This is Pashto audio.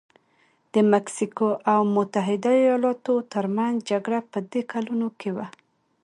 د مکسیکو او متحده ایالتونو ترمنځ جګړه په دې کلونو کې وه.